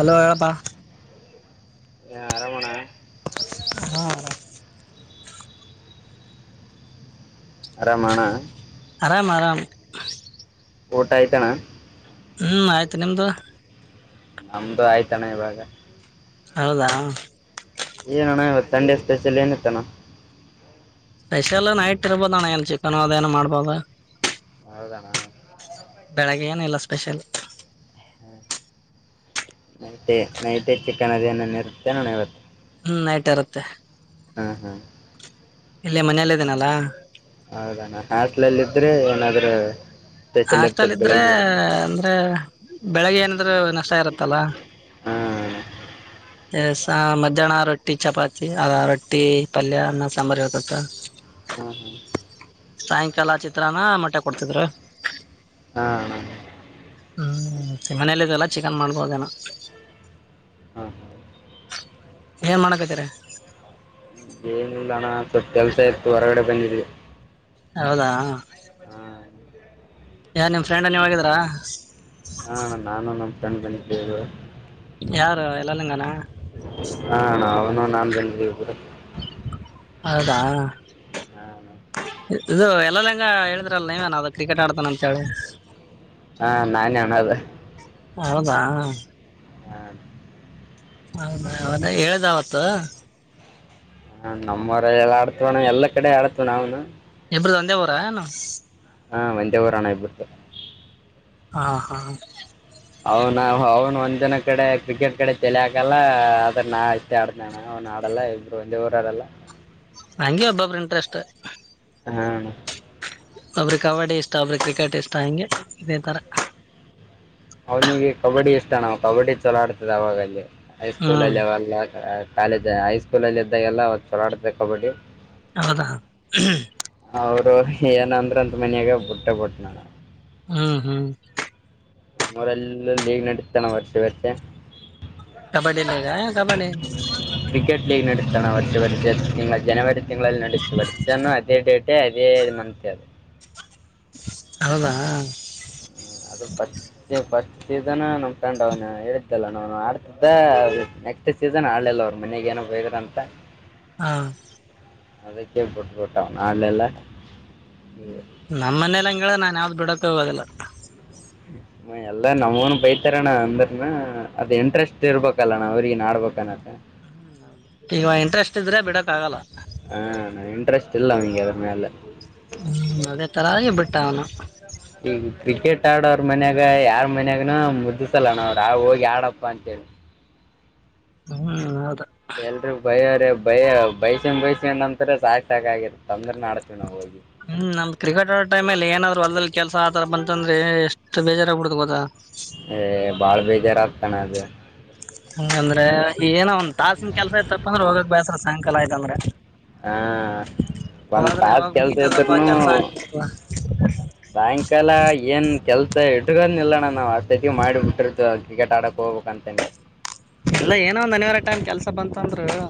Hello ಹೇಳಪ್ಪಾ ಹಾ ಆರಾಮ ಹಾ [unintelligible] ಆರಾಮಣ್ಣ ಆರಾಮ ಆರಾಮ ಊಟ ಆಯ್ತಣ ಹ್ಞೂ ಆಯ್ತು ನಿಮದುು ನಮ್ದು ಆಯ್ತಾನ ಇವಾಗ ಹೌದಾ ಏನೋಣ ಇವತ್ತು ಸಂಡೆ ಸ್ಪೆಷಲ್ ಏನಿತ್ತಣ್ಣ ಸ್ಪೆಷಲ್ ನೈಟ್ ಇರ್ಬೋದುಣ್ಣ ಎಲ್ಲಿ ಚಿಕನ್ ಅದೇನೋ ಮಾಡ್ಬೋದು ಹೌದಣ ಬೆಳಿಗ್ಗೆ ಏನ ಇಲ್ಲ ಸ್ಪೆಷಲ್ ನೈ ನೈಟ ಚಿಕನ್ ಅದೇನನ ಇರುತ್ತೆ ನೋ ಇವತ್ತು ಹ್ಮ್ ನೈಟ್ ಇರುತ್ತೆ ಹ್ಮ್ ಹ್ಮ್ ಇಲ್ಲ ಮನೆಯಲ್ಲ ಇದೇನಲ್ಲಾ ಹೌದಣ ಹಟ್ಲಲ್ಲ ಇದ್ರೆ ಏನಾದ್ರೆ ಹಾಸ್ಟೆಲ್ ಇದ್ರೆ ಅಂದ್ರೆ ಬೆಳಿಗ್ಗೆ ಏನಿದ್ರು ನಷ್ಟ ಇರತ್ತಲ್ಲ ಹಾಂ ಸ ಮಧ್ಯಾಹ್ನ ರೊಟ್ಟಿ ಚಪಾತಿ ಅದ ರೊಟ್ಟಿ ಪಲ್ಯ ಅನ್ನ ಸಾಂಬಾರ ಹತತ್ತ ಹಾ ಹಾ ಸಾಯಂಕಾಲ ಚಿತ್ರನ ಮೊಟ್ಟೆ ಕೊಡ್ತಿದ್ರು ಹಾ ಹ್ಞೂ ಮನೇಲ್ಲಿದೆಲ್ಲ ಚಿಕನ್ ಮಾಡ್ಬ ಹೋದೇನ ಹಾಂ ಹಾಂ ಹೇ ಮಾಡಣಬೇಕತರೆ ಏನು ಸ್ವಲ್ಪ ಕೆಲಸ ಇತ್ತು ಹೊರಗಡೆ ಬಂದಿದ್ವಿ ಹೌದಾ ಹಾಂ ಯಾರ ನಿಮ್ ಫ್ರೆಂಡ್ ನೀವ್ ಗಿದ್ರಾ ಹಾ ನಾನು ನ ಟಂಡನ್ ಬನ ಯಾರು ಎಲ್ಲ ನಿಂಗನ ಹಾ ಅವನು ನಾನು ಬಂದಿದ್ದೀವಿ ಕೂಡ ಹೌದಾ ಹಾಂ ಅಣ್ಣ. ಇದು ಎಲ್ಲಲ್ಲ ಹೆಂಗ ಹೇಳಿದ್ರಲ್ಲ ನೀವೇನ್ ಅ ಕ್ರಿಕೆಟ್ ಆಡ್ತಾನ ಅಂತ ಹೇಳಿ ಹಾ ನಾನನ್ನದು ಹೌದಾ ಹೌದ ಅವದ ಹೇಳ್ದ್ ಅವತ್ತು ಹ ನಮ್ಮ್ವರ ಎ ಆಡ್ತವಣ ಎಲ್ಲಾ ಕಡೆ ಆಡತವ ನಾವ್ನು ಇಬ್ಬರು ತಂದೆವರನು ಹಾ ವಂದೇ ಹಊರ ಹಾಣ ಆಗ್ಬಡ್ತು ಹಾ ಹಾ ಅವನ ಅವ್ನು ಒಂದ್ ಜನ ಕಡೆ ಕ್ರಿಕೆಟ್ ಕಡೆ ಚಲೆ ಹಾಕಲ್ಲ ಆದ್ರ ನಾ ಇಷ್ಟೇ ಆಡ್ತ ಅವ್ನ್ ಆಡಲ್ಲ ಇಬ್ರು ಒಂದೇ ಊರು ಆಡಲ್ಲ ಹಂಗೆ ಒಬ್ಬಬ್ ಇಂಟ್ರಸ್ಟ್ ಹ್ಮ ಒಬ್ರಿ ಕಬಡ್ಡಿ ಇಷ್ಟ ಒಬ್ರಿ ಕ್ರಿಕೆಟ್ ಇಷ್ಟ ಹಂಗೆ ಇದೇ ತರ ಅವ್ನಿಗೆ ಕಬಡ್ಡಿ ಇಷ್ಟ ನವು ಕಬಡ್ಡಿ ಚಲೋ ಆಡ್ತದೆ ಅವಾಗಲ್ಲಿ ಹೈ ಹ್ಮ್ ಸ್ಕೂಲಲ್ಲಿ ಅವಲ್ಲ ಕಾಲೇಜ್ ಹೈಸ್ಕೂಲ್ಲ್ಲಿ ಇದ್ದಾಗೆಲ್ಲ ಒಂದು ಚಲಾಡತದೆ ಕಬಡ್ಡಿ. ಹೌದಾ ಅವರು ಏನಂದ್ರ ಅಂತಾ ಮನೆಯಾಗ್ ಬಿಟ್ಟ ಬಿಟ್ಟ ನಾನ್ ಹ್ಮ್ ಹ್ಮ್ ನಮ್ಮೂರೆಲ್ಲ ಲೀಗ್ ನಡೆತಾ ಅಣ್ಣ ವರ್ಷ ವರ್ಷ ಕಬಡ್ಡಿ ಲಗಾ ಕಬಡ್ಡಿ ಕ್ರಿಕೆಟ್ ಲೀಗ್ ನಡೀತಾನೆ ವರ್ಷ ವರ್ಷ ತಿ ಜನವರಿ ತಿಂಗಳಲ್ಲಿ ನಡೀತೆ ವರ್ಷಾನ ಅದೇ ಡೇಟ್. [unintelligible] ಹೌದಾ ಅದು ಪಸ್ಫಸ್ಟ್ ಸೀಸನ್ ನಮ್ಮ ಫ್ರೆಂಡ್ ಅವ್ನು ಹೇಳಿದ್ದಲ್ಲ ನ ಆಡ್ತಿದ್ದ ನೆಕ್ಸ್ಟ್ ಸೀಸನ್ ಆಡ್ಲಲ್ಲ ಅವ್ರು ಮನೆಗೇನ್. ವೇಗದಂತ್ ಹಾ ಅದಕ್ಕೆ ಬಿಟ್ಬಟ್ಟ ಅವ ಆಲೆಲ್ಲ. ನಮ್ಮ ಮನೇಲಿ ಹಂಗ್ ಹೇಳಾ ನಾನ್ ಯಾವ್ದ ಬಿಡಕ ಹೋಗೋದಲ್ಲ. [inaudible] ಎಲ್ಲಾ ನಮ್ನ್ ಬೈತಾರಣ್ಣ ಅಂದ್ರನ ಅದ್ ಇಂಟ್ರೆಸ್ಟ್ ಇರ್ಬೇಕಲ್ಲಣಾ ಅವ್ರಿಗೆ ಆಡ್ಬೇಕನ್ನತ್ತ. ಈಗ ಇಂಟ್ರೆಸ್ಟ್ ಇದ್ರೆ ಬಿಡಕ್ಕ್ಕಗಲ್ಲ. ಹಂ ಇಂಟ್ರೆಸ್ಟ್ ಇಲ್ಲ ಅಂದ್ರ ಮೇಲೆ. ಹ್ಞ ಅದೇ ತರದ ಬಿಟ್ಟ ಅವನು. ಈಗ ಕ್ರಿಕೆಟ್ ಆಡೋವ್ರ ಮನ್ಯಾಗ ಯಾರ್ ಮನ್ಯಾಗನೂ ಮುದ್ ಸಲಣ ಅವ್ರ ಆ ಹೋಗಿ ಆಡಪ್ಪಾ ಅಂತಾ ಹೇಳಿ ಹ್ಮ್ ಹೌದಾ ಎಲ್ರು ಬ್ಯಾರೆ ಬಯ ಬೈಸೊಂಡ್ ಬೈಸ್ಕೊಂಡ್ ಅಂತರ ಸಾಕ ಸಾಕ ಆಾಗಿತ್ತ ತಂದ್ರೆ ನಾಡ್ತೀವಿ ನಾವು ಹೋಗಿ. ಹ್ಮ್ ನಮ್ ಕ್ರಿಕೆಟ್ ಆ ಟೈಮಲ್ಲಿ ಏನಾದ್ರು ಹೊಲ್ದಲ್ಲಿ ಕೆಲಸ ಆತರ ಬಂತಂದ್ರೆ ಎಷ್ಟು ಬೇಜಾರಾಗ್ಬ ಬಿಡುದುು ಗೊತ್ತಾ. ಹ ಬಾಳ್ ಬೇಜಾರಾಗಗ್ತಾನ ಅದು ಹಂಗಂದ್ರೆ ಏನ ಒಂದ್ ತಾಸಿನ ಕೆಲ್ಸ ಯ್ತ ತಪ್ಪ ಅಂದ್ರ ಹೋಗಕ್ ಬಯಸ್ರ ಸಾಯಂಕಾಲ ಆಯ್ತಂದ್ರ ಹಾ ಅ ಒಂದ್ ಆದ್ರೆ ತಾಸ್ ಯಾವಾಗ ಕೆಲ್ಸ ಮುಗಿತದಪ್ಪ ಕೆಲ್ಸ ಆಗ್ ಮಾಡ ಬಾಯಂಕಾಲ ಏನ್ ಕೆಲ್ಸ ಇಡರುಗದ ಇಿಲ್ಲಣ್ಣ ನಾವು ಆತೈತಿ ಮಾಡಿ ಬಿಟ್ಟಿರ್ತ ಕ್ರಿಕೆಟ್ ಆಡಕ್ ಹೋಗ್ಬೇಕು ಅಂತನನೆ ಎಲ್ಲ ಏನೋ ಒಂದು ಅನವರ ಟೈಮ್ ಕೆಲ್ಸ ಬಂತ ಅಂದ್ರರು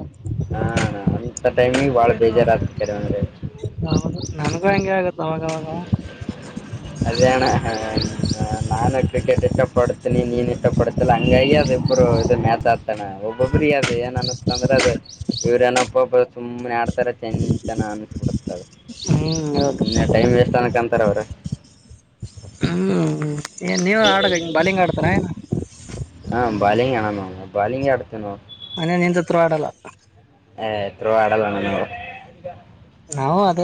ಹಾ ಅಂಂತ ಟೈಮಿಗೆ ಬಾಳ ಬೇಜಾರಾಗಗ್ತಾರೆ ಅಂದ್ರೆ ಹೌದು ನನ್ಗೂ ಹೆಂಗೆ ಆಗತ್ತ ಅವಾಗವಾಗ ಅದೇಣ ನಾನು ಕ್ರಿಕೆಟ್ ಇಷ್ಟ ಪಡ್ತೀನಿ ನೀನ್ ಇಷ್ಟ ಪಡ್ತೀ ಹಂಗಾಗಿ ಅದ ಇಬ್ರು ಇದು ಮ್ಯಾಚಡ್ತಾನೆ ಒಬ್ಬೊಬ್ರ ಅದ ಏನ್ ಅನತ್ತ ಅಂದ್ರೆ ಅದು ಇವ್ರೇನಪ್ಪಬ್ ಸುಮ್ಮನೆ ಆಡ್ತಾರ ಚಂತನ ಅನ್ಸ್ಬಿಡ್ತದ ಹ್ಮ್ ಹೌದು ಇನ್ನ ಟೈಮ್ ವೇಸ್ಟ್ ಅನ್ನ ಕಂತಾರ ಅವ್ರ ಹ್ಮ್ ಏನ್ ನೀವ ಆಡಗ ಹಿಂಗ್ ಬಾಲಿಂಗ್ ಆಡ್ತಾರ ಹ್ಮ ಬಾಲಿಂಗ್ಣಾನ ಬಾಲಿಂಗ್ ಅಡತನ ಅಂದ ನಿನ್ ಹತ್ರ ಆಡಲ್ಲ ಎ ಆಡಲ್ಲಣ ನಿಡು ನಾವವು ಅದ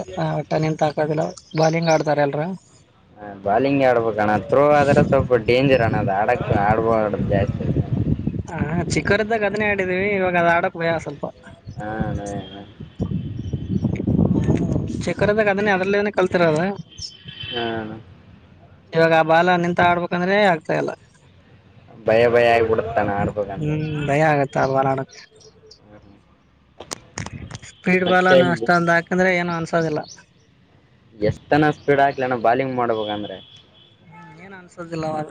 ಟ ನಿಂತ ಹಕೋದಿಲ್ಲ ಬಾಲಿಂಗ್ ಆಡ್ತಾರ ಎಲ್ರ ಹ ಬಾಲಿಂಗ್ ಆಡ್ಬಬೇಕಣ ಥತ್ರೋ ಆದ್ರೆ ಸ್ವಲ್ಪ ಡೇಂಜರ್ ಅಣ್ಣ ಅ ಆಡಕ್ ಆಡ್ಬೋ ಜಾಸ್ತಿ ಅ ಹಾ ಚಿಕ್ಕವರದಾಗ ಅದನ್ನೇ ಆಡಿದೀವಿ ಇವಾಗ ಅದ ಆಡಕ್ ಭೇಯ ಸ್ವಲ್ಪ ಹಾ ಹ ಚಕರದಾಗ ಅದನ್ನೇ ಅದ್ರಲ್ಲನೇ ಕಲ್ತಿರದ ಹ್ಮ ಇವಾಗ ಬಾಲ ನಿಂತ ಆಡ್ಬೇಕಂದ್ರೆ ಆಗ್ತಾ ಇಲ್ಲ ಭಯ ಭಯ ಆಗಿಬ ಬಿಡತಾನೆ ಆಡ್ಬೇಕಂದ್ರೆ ಹ್ಮ್ ಭಯ ಆಗತ್ತ ಆ ಬಾಲ್ ಆಡಕ್ ಹ್ಮ ಸ್ಪೀಡ್ ಬಲ್ನು ಅಷ್ಟೊಂದು ಹಾಕಂದ್ರೆ ಏನು ಅನ್ಸೋದಿಲ್ಲ ಎಷ್ಟ್ ಜನ ಸ್ಪೀಡ್ ಆಕ್ಲ ನ ಬಾಲಿಂಗ್ ಮಾಡ್ಬೇಕ ಅಂದ್ರೆ ಹ್ಮ ಏನ್ ಅನ್ಸದಿಲ್ಲ ಅವವಾಗ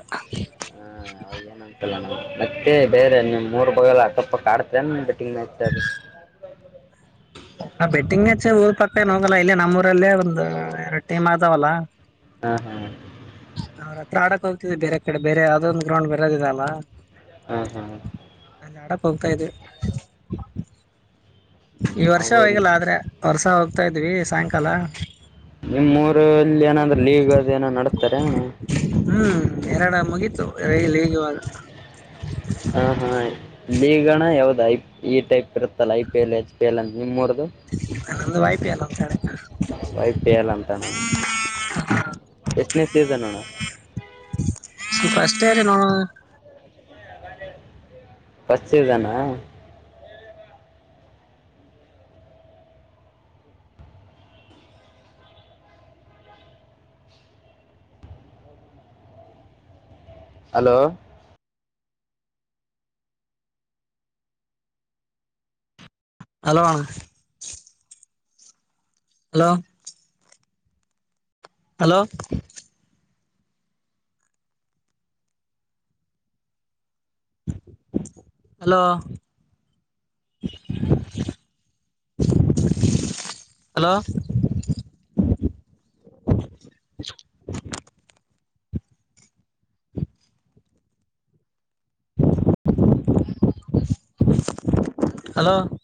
ಹಾ ಅವಾಗೇನ್ ಅನ್ಸಲ್ಲ ನ ಮತ್ತೆ ಬೇರೆ ನಿಮ್ ಮೂರು ಬಲ್ಲ ಅಸೊಪ ಕಾಡ್ತೇ ಬಿಟ್ಟ ಂಗ ಮ್ಯಾಚ್ದು [unintelligible] ಹ ಬೆಟ್ಟಿಂಗ್ ಹೆಚ್ಚೆ ಊರ್ ಪಕ್ಕ ಹೋಗಲ್ಲ ಇಲ್ಲಿ ನಮ್ಮ ಊರಲ್ಲೇ ಒಂದು ಎರಡು ಟೀಮ್ ಆದಾವಲ್ಲ ಹಾ ಹಾ ಹ್ರ ಪ್ರಾಡಕ್ ಹೋಗ್ತಿದೆ ಬೇರೆ ಕಡೆ ಬೇರೆ ಯಾವದೊ ಒಂದು ಗ್ರೌಂಡ್ ಬರೋದಿದ ಅಲ್ಲ ಹ್ಮ ಹ್ಮ ಅಲ್ಲಿ ಆಡಕ್ ಹೋಗ್ತಾ ಇದದೆ ಈ ವರ್ಷ ನಾವು ಹೋಗಲ್ಲ ಆದ್ರೆ ವರ್ಷ ಹೋಗ್ತಾ ಇದ್ವಿ ಸಾಯಂಕಾಲ ನಿಮ್ಮ್ ರುಲ್ಲಿ ಏನಂದ್ರೆ ಲೀಗ್ ಅದು ಏನೋ ನಡಸ್ತಾರೆ ಅವಣ ಹ್ಮ್ ಎರಡ ಮುಗತು ಎಲ್ಲಿ ಹೇಗಿವಾಗ ಹ ಹಾ ಲೀಗಣ್ಣ ಯಾವ್ದ ಐ ಈ ಟೈಪ್ ಇರುತ್ತಲ್ಲ I P L H P L ಅಂತ ನಿಮ್ರದು ಅಂದು ವಾಯಪ ಇಲ್ಲ ಸ ವೈಯಲ್ಲ ಅಂತ ನಾನು ಎಷ್ಟನೇ ಸೀಸನ್ ಅಣ್ಣ ಸ್ವಪ ಅಷ್ಟೇ ಅ್ರ ನಾ ಪಶಚದಾನ ಹಲೋ ಹಲೋಣ್ಣ ಹಲೋ ಹಲೋ ಹಲೋ ಹಲೋ ರ [unintelligible] ಇ [unintelligible] ಹಲೋ